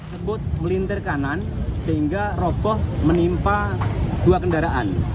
sebut melintir kanan sehingga roboh menimpa dua kendaraan